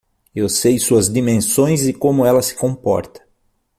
Eu sei suas dimensões e como ela se comporta.